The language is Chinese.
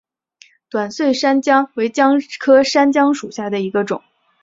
短穗山姜为姜科山姜属下的一个种。